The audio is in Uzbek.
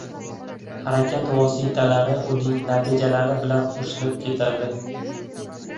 Harakat vositalari uning natijalari bilan qo‘shilib ketadi.